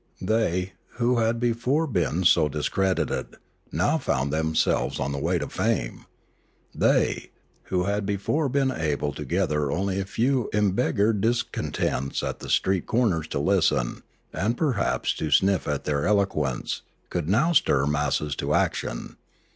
They, who had before been so discredited, now found them selves on the way to fame. They, who had before been able to gather only a few embeggared discontents at the street corners to listen, and perhaps to sniff at their eloquence, could now stir masses to action.